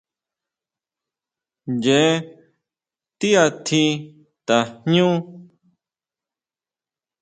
Ncheé ti atji tajñu.